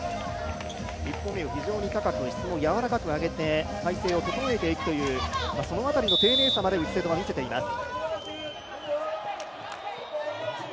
一歩目を非常にやわらかく、体勢を整えていくという、その辺りの丁寧さまで内瀬戸は見せています。